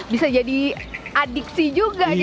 bisa jadi adiksi juga